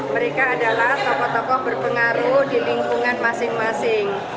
mereka adalah tokoh tokoh berpengaruh di lingkungan masing masing